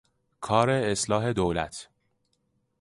کار اصلاح دولت